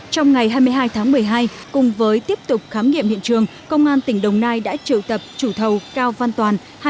trong ngày hai mươi hai tháng một mươi hai cùng với tiếp tục khám nghiệm hiện trường công an tỉnh đồng nai đã triệu tập chủ thầu cao văn toàn